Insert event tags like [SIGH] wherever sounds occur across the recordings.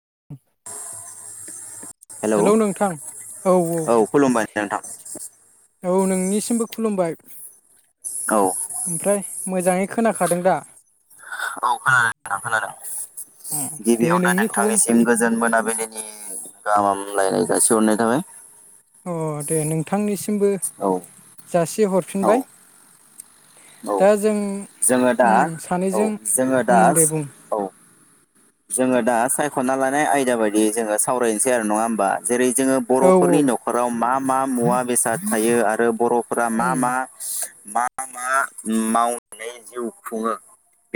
[INAUDIBLE] Hello नोंथां औ-औ। खुलुमबाय नोंथां औ नोंनिसिमबो खुलुमबाय औ ओमफ्राय मोजाङै खोनाखादों दा? औ खोनादों नोंथां खोनादों अ दे गिबियावनो नोंनिखौबो नोंथांनिसिम गोजोन मोनाबिलिनि नि गाहाम हामलायनाय जासि हरनाय थाबाय। अ दे नोंथांनिसिमबो औ जासि औ हरफिनबाय। औ दा जों जोङो दा उम औ सानैजों जोङो दा उम दे बुं औ जोङो दा सायख'ना लानाय आयदा बायदि जोङो सावरायनोसै आरो नङा होमबा जेरै जोङो औ औ बर'फोरनि न'खराव मा मा मुवा बेसाद थायो आरो बर' फोर मा उम मा हुहो‌ मा मा उम मावनानै जिउ खुङो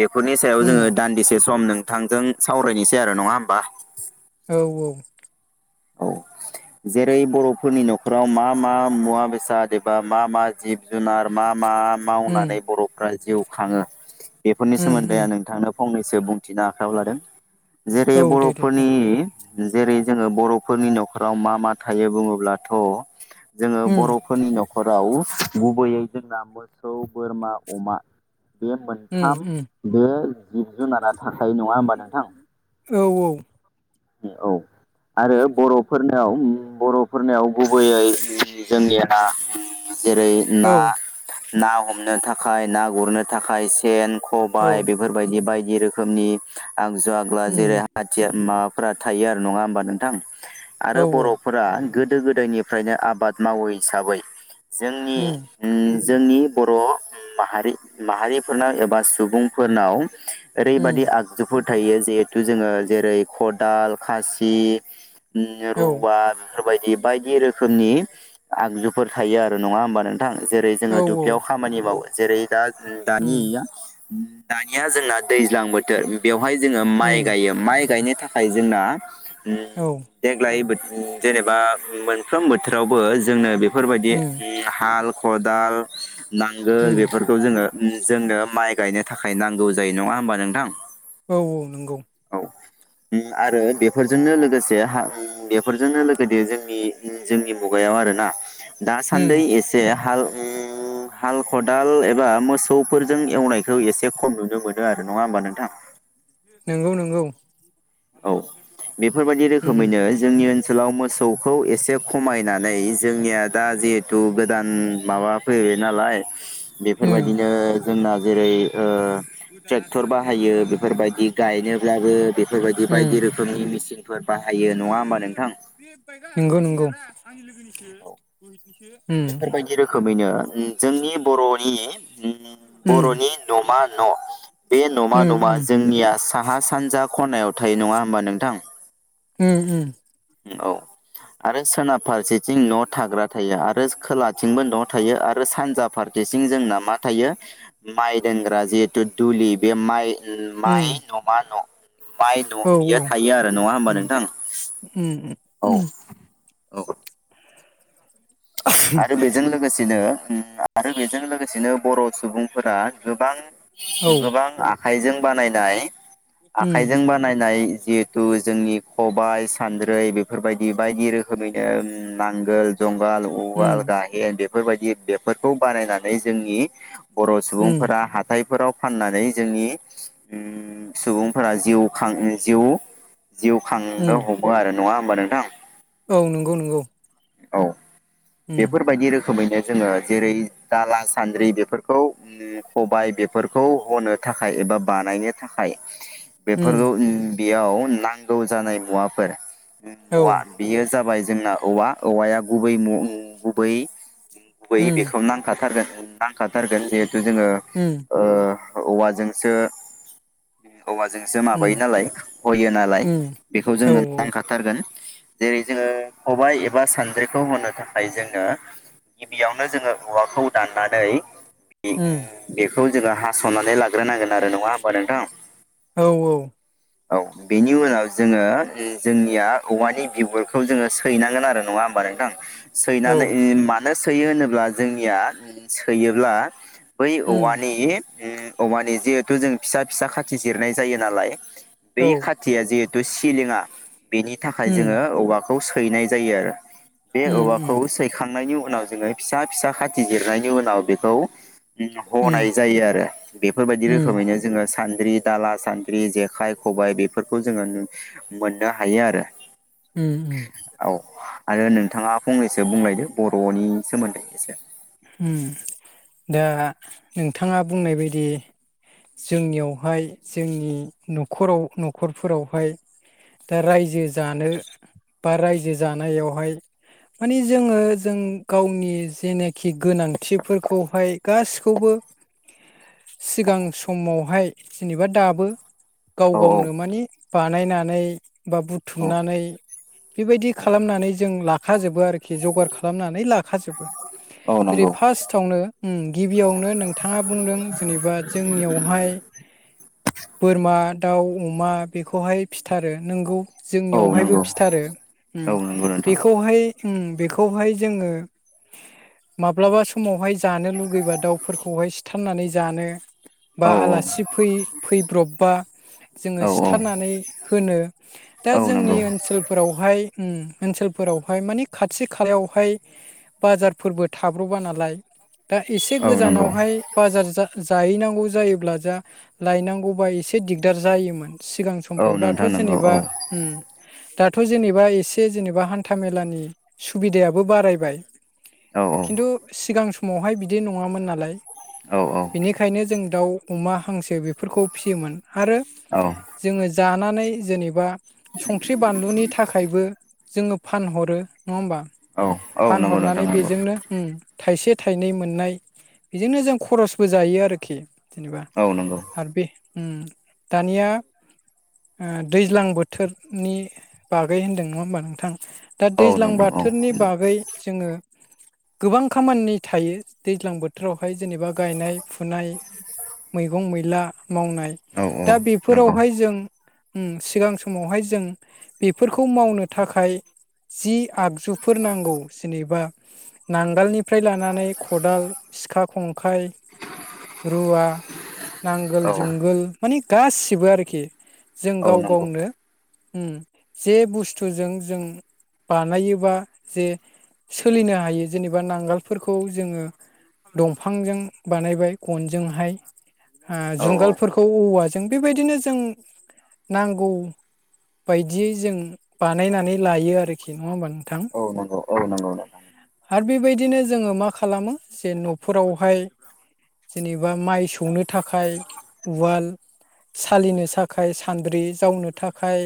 बेफोरनि सायाव उम जोङो दान्दिसे सम नोंथांजों सावरायनिसै आरो नङा होमबा औ औ औ जेरै बर'फोरनि न'खराव मा मा मुवा बेसाद एबा मा मा जिब जुनार मा मा उम मावनानै बर'फोरा जिउ खाङो बेफोरनि उम सोमोन्दै उम आं नोंथांनो फंनैसो बुंथिनो आखायाव लादों जेरै औ दे दे बर'फोरनि बुं जेरै जोङो बर' फोरनि न'खराव मा मा थायो बुङोब्लाथ' जोङो उम बर'फोरनि न'खर नखराव गुबैयै जोंना मोसौ बोरमा अमा बे उम मोनथाम उम बे जिब जुनारा थाखायो नङा होमबा नोंथां औ औ आरो बर'फोरनिआव बर'फोरनिआव गुबैयै जोंनिआ जेरै औ ना ना हमनो थाखाय ना गुरनो थाखाय सेन औ खबाय बेफोरबायदि बायदि रोखोमनि आगजु आगला उम जेरै हाथियार मा फ्रा थायो आरो नङा होमबा नोंथां हो आरो औ औ बर'फोरा गोदो गोदायनिफ्रायनो आबाद मावो हिसाबै जोंनि उम जोंनि बर' उम माहारि माहारिफोरनाव एबा सुबुंफोरनाव उम ओरैबादि आगजुफोर थायो जिहेथु जोङो जेरै खदाल खासि ओम औ रौवा बेफोरबायदि बायदि रोखोमनि आगजुफोर थायो आरो नङा होमबा नों थां जेरै औ जोङो औ दुब्लियाव खामानि मावो जेरै दा उम दानि उम दानिया जोंना दैज्लां बोथोर बेवहाय जोङो माइ उम गायो माइ गायनो थाखाय जोंना उम, औ देग्लाय बो उम जेनेबा मोनफ्रोम बोथोरावबो जोंनो बेफोरबायदि उम ओम हाल ख'दाल नांगोल उम बेफोरखौ जोङो जोंनो माइ गायनो थाखाय नांगौ जायो नङा होमबा नोंथां औ औ नंगौ औ आरो बेफोरजोंनो लोगोसे हा ओम बेफोरजोंनो लोगोदे जोंनि ओम जोंनि मुगायाव आरो ना उम दासान्दै एसे हाल उम हाल खदाल एबा मोसौफोरजों एवनायखौ एसे खम नुनो मोनो आरो नङा होमबा नोंथां नंगौ नंगौ [INAUDIBLE] औ बेफोर बायदि उम रोखोमैनो जोंनि ओनसोलाव‌ मो मोसौखौ एसे खमायनानै जोंनिअ दा जे हिथु गोदान माबा फैबाय नालाय उम बेफोरबायदिनो जोंना जेरै ओ ट्रेक्टर बाहायो बेफोरबायदि गायनोब्लाबो बेफोरबायदि बायदि उम रोखोमनि मिसिनफोर बाहायो नङा होमबा नोंथां? नंगौ नंगौ औ उम बेफोरबायदि रोखोमैनो उम जोंनि बर'नि उम उम बर'नि न'मा बे न'मा उम न'आ उम जोंनिया साहा सानजा खनायाव थायो नङा होमबा नोंथां? उम उम ओ औ आरो सोनाब फारसेथिं न' थाग्रा थायो आरो खोलाथिंबो न' थायो आरो सानजा फार [UNINTELLIGIBLE] जोंना मा थायो माइ दोनग्रा जिहेथु दुलि बे माइ माइ उम न' मा न' माइ न' औ बियो थायो आरो नङा होमबा उम नोंथां उम औ उम [UNINTELLIGIBLE] आरो बेजों लोगोसेनो उम आरो बेजों लोगोसेनो बर' सुबुंफोरा गोबां औ गोबां आखाइजों बानायनाय उम आखाइजों बानायनाय जिहेतु जोंनि ख'बाय सान्द्रै बेफोरबायदि बायदि रोखोमै नांगोल जुंगाल उवाल उम गाहेन बेफोरबायदि बे फोरखौ बानायनानै जोंनि बर' उम सुबुंफोरा हाथायफोराव फाननानै जोंनि उम सुबुंफोरा जिउां जिउ जिउ खांनो उम हो आरो नङा होमबा नोंथां औ नंगौ नंगौ औ उम बेफोरबायदि रोखोमैनो जोङो जेरै दाला सान्द्रि बेफोरखौ खबाय बेफोरखौ हो थाखाय बा बानायनो थाखाय उम बेफोरखौ बेयाव नांगौ जानाय मुवाफोर औ औवा बेयो जाबाय जोंना औवा औवाया गुबै गुबै गुबै उम बेखौ नांखाथारगोन नांखाथारगोन जिहेथु जोङो उम औवाजोंसो औवाजोंसो उम माबायो नालाय हयो नालाय उम बेखौ औ जोंनो नांखाथारगोन जेरै जोङो खबाय एबा सानद्रिखौ होनो थाखाय जोङो गिबियावनो जोङो औवाखौ दाननानै उम बेखौ जोङो हास'नानै लाग्रोनांगोन आरो नङा होमबा नोंथां? औ औ औ बेनि उनाव जोङो जोंनिया औवानि बिगुरखौ जोङो सैनांगोन आरो नङा होमबा नोंथां सैनानै मानो सोयो होनोब्ला जोंनिया सोयोब्ला बै उम औवानि उम औमानि जिहेथु जों फिसा फिसा खाथि जिरनाय जायो नालाय बै औ खाथिया जिहेथु सिलिङा बेनि थाखाय उम जोङो औवाखौ सैनाय जायो आरो। बे उम औवाखौ सैखांनायनि उनाव जोङो फिसा फिसा खाथि जिरनायनि उनाव बेखौ उम हनाय जायो आरो बेफोरबायदि उम रोखोमैनो जोङो सान सान्द्रि, दाला, सान्द्रि, जेखाइ, खबाय बेफोरखौ जोङो मोननो हायो आरो। उम औ आरो नोंथाङा फंनैसो बुंलायदो बर'नि सोमोन्दै एसे दा नोंथाङा बुंनाय बायदि जोंनियावहाय जोंनि न'खराव न'खरफोरावहाय दा रायजो जानो बा रायजो जानायावहाय माने जोङो जों गावनि जेनेख खि गोनांथिफोरखौहाय गासिखौबो सिगां समावहाय जेनेबा दाबो गाव औ औ गावनो माने बानायनानै बा औ बुथुमनानै बेबायदि औ खालामनानै जों ला लाखाजोबो आरोखि जगार खालामनानै लाखा औ जेरै नंगौ फार्स्टआवनो गिबियावनो नोंथाङा बुंदों जेनेबा जोंनियावहाय बोरमा, दाउ, अमा बेखौहाय फिथारो नंगौ। औ जोंनियावहायबो नंगौ फिथारो औ नंगौ नोंथां बेखौहाय उम बेखौहाय जोङो माब्लाबा समावहाय जानो लुुबैबा दाउफोरखौहाय सिथारनानै जानो बा औ आलासि फैब्रबबा जोङो औ औ सिथारनानै होनो दा औ जोंनि नंगौ ओनसोल फोरावहाय ओम ओनसोलफोरावहाय मानि खाथि खालायावहाय बाजारफोरबो थाब्र'बा नालाय दा एसे औ नंगौ गोजानावहाय बाजार जा जाहैनांगौ जायोब्ला जा लायनांगौबा एसे दिग्दार जायोमोन। सिगां औ समफ्राव दाथ' नोंथां नंगौ जेनेबा औ दाथ जेनेबा एसे जेनेबा हान्था मेलानि सुबिदायाबो बारायबाय औ औ खिन्थु सिगां समावहाय बिदि नङामोन नालाय औ बेनिखायनो जों दाउ अमा हांसो बेफोरखौ फिसियोमोन आरो। औ जोङो जानानै जेनेबा संख्रि बानलुनि थाखायबो, जोङो फानहरो नङा होमबा। औ औ नंगौ नो माने बेजोंनो ओम थाइसे थाइनै मोननाय बेजोंनो जों खरसबो जायो आरोखि जेनेबा औ नंगौ आरो बे उम दानिया ओ दैज्लां बोथोरनि बागै होन्दों नङा होमबा नोंथां दा औ दैज्लां नोंथां औ बोथोरनि बागै जोङो। गोबां खामानि थायो दैज्लां बोथोरावहाय जेनेबा गायनाय फुनाय मैगं मैला मावनाय औ औ दा नंगौ बेफोरावहाय जों सिगां समावहाय जों बेफोरखौ मावनो थाखाय। जि आगजुफोर नांगौ। जेनेबा नांगोलनिफ्राय लानानै खदाल सिखा खंखाइ। रुवा। नांगोल औ जुंगोल माने गासिबो आरोखि जों औ गाव नंगौ गावनो। ओम जे बुस्थुजों जों बानायोबा जे सोलिनो हायो जेनेबा नांगोलफोरखौ जोङो। दंफांजों बानायबाय खनजोंहाय ओ औ औ जुंगालफोरखौ औव जों बेबायदिनो जों नांगौ। बायदियै जों बानायनानै लायो आरोखि नङा होमबा नों औ नंगौ औ नंगौ नंगौ। आरो बेबायदिनो जोङो मा खालामो जे नफोरावहाय जेनेबा माइ सौनो थाखाय उवाल सालिनो साखाय सान्द्रि जावनो थाखाय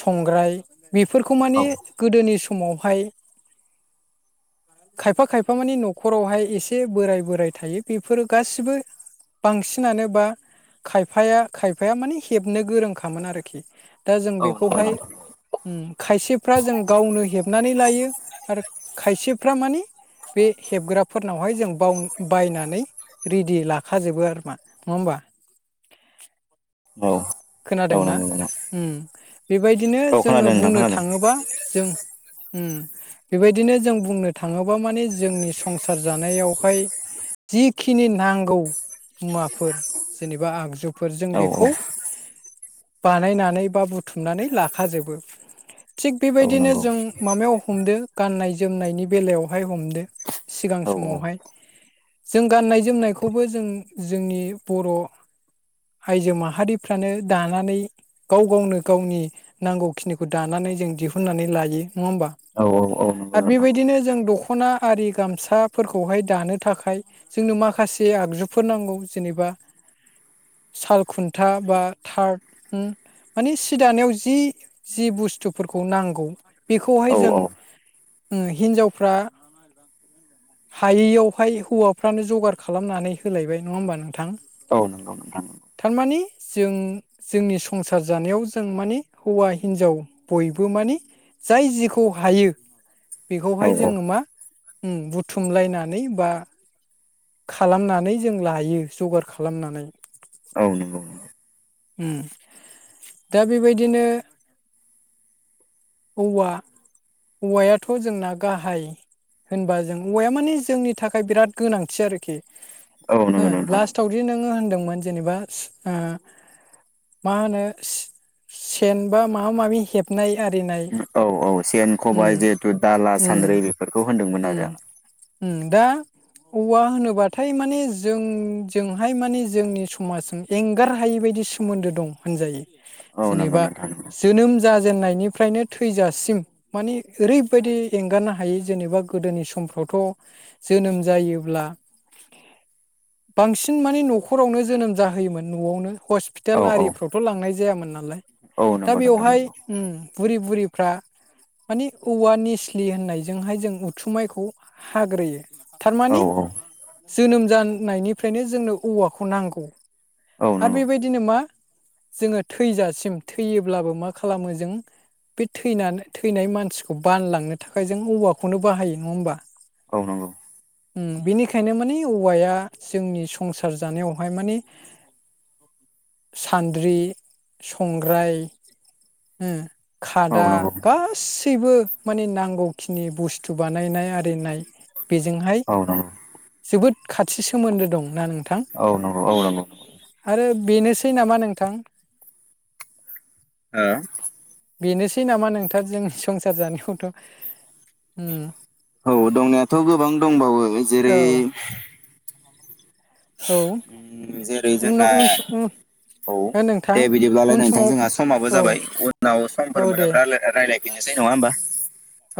संग्राय बेफोरखौ माने औ गोदोनि समावहाय खायफा खायफा माने नखरावहाय एसे बोराय बोराय थायो बेफोरो गासिबो बांसिनानो बा खायफाया खायफाया माने हेबनो गोरोंखामोन आरोखि दा जों औ नंगौ बेखौहाय नोंथां उम खायसेफ्रा जों गावनो हेबनानै लायो। आरो खायसेफ्रा माने बे हेबग्राफोरनावहाय जों बाव बायनानै रेडि लाखाजोबो आरोमा नङा होमबा [INAUDIBLE] औ औ खोनादोंना नंगौ नोंथां ओम बेबायदिनो औ जोङो खोनादों नोंथां बुंनो खोनादों थाङोबा जों ओम, बेबायदिनो जों बुंनो थाङोबा माने जोंनि संसार जानायावहाय जिखिनि नांगौ मुवाफोर जेनेबा आगजुफोर जों औ बेखौ।। बानायनानै बा बुथुमनानै लाखाजोबो थिग औ बेबायदिनो नंगौ जों माबायाव हमदो गाननाय जोमनायनि बेलायावहाय हमदो सिगां औ समावहाय जों गाननाय जोमनायखौबो जों जोंनि बर' आइजो माहारि फ्रानो दानानै गाव गावनो गावनि नांगौखिनिखौ दानानै जों दिहुननानै लायो औ औ औ नंगौ आर नोंथां बेबायदिनो जों दख'ना आरि गामसाफोरखौहाय दानो थाखाय जोंनो माखासे आग जुफोर नांगौ जेनेबा साल खुन्था बा थारद माने सि दानायाव जि जि बुस्थुफोरखौ नांगौ बेखौहाय औ जों औ ओ हिन्जावफ्रा हायियावहाय हौवाफ्रानो जगार खालामनानै होलायबाय नङा होमबा नोंथां। औ नंगौ नोंथां थारमाने जों जोंनि संसार जानायाव जों मानि हौवा हिनजाव बयबो मानि जाय जिखौ हायो औ बेखौहाय औ जोङो मा उम बुथुमलायनानै बा खालामनानै जों लायो जगार खालामनानै औ नंगौ उम दा बेबायदिनो औवा औवायाथ' जोंना गाहाय होनबा जों औवाया माने जोंनि थाखाय बिराद गोनांथि आरोखि। औ ओ नंगौ नोंथां लास्टावदि नोंङो होनदोंमोन जेनेबा ओ मा होनो सेन बा माबा माबि हेबनाय आरिनाय औ औ सेन उम खबाइ जिहेतु दाला उम सान्द्रै बेफोरखौ होनदोंमोन उम आरो आं। उम दा औवा होनोबाथाय माने जों जोंहाय माने जोंनि समाजजों एंगार हायि बेबायदि सोमोन्दो दं होनजायो, आं औ नंगौ जेनेबा नोंथां नंगौ जोनोम जाजेननायनिफ्रायनो थैजासिम माने ओरैबायदि एंगारनो हायो जेनेबा गोदोनि समाव फ्रावथ जोनोम जायोब्ला बांसिन माने न'खरावनो जोनोम जाहोयोमोन न'आवनो हस्पिटाल औ औ आरिफ्रावथ' लांनाय जायामोन नालाय औ दा नंगौ नोंथां बेवहाय, नंगौ ओम बुरि बुरिफ्रा माने औवा निस्लि होननायजोंहाय जों उथुमायखौ हाग्रोयो। औ थारमाने औ जोनोम जानायनिफ्रायनो जोंनो औवाखौ नांगौ। औ आरो नंगौ बेबायदिनो मा जोङो थैजासिम थैयोब्लाबो मा खालामो जों बे थैनानै थैनाय मानसिखौ बानलांनो थाखाय जों औवाखौनो बाहायो नङा होमबा? औ नंगौ। उम बिनिखायनो माने औवाया जोंनि संसार जानायावहाय माने सान्द्रि संग्राय ओम औ खादा नंगौ गासै। गासैबो माने नांगौखिनि बुस्थु बानायनाय आरिनाय बेजोंहाय औ नंगौ जोबोद खाथि सोमोन्दो दं ना? औ न औ नंगौ। आरो बेनोसै नामा नोंथां। ओ बेनोसै नामा नोंथां जों संसार जानायावथ' ओ औ दंनायाथ' गोबां दंबावो जेरै औ औ जेरै जोंना उनाव उन सम उन औ नोंथां दे बिदिब्ला लाय उन नोंथां समाव जोंहा समाबो औ जाबाय उनाव औ समफोर दे मोनाबा रायलाय नोसै नङा होमबा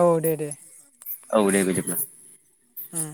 औ दे दे। औ दे बिदिब्ला। उम